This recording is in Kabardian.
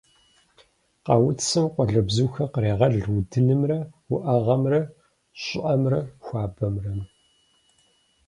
Къэуцым къуалэбзухэр кърегъэл удынымрэ уӏэгъэхэмрэ, щӏыӏэмрэ хуабэмрэ.